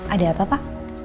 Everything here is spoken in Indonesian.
ada apa pak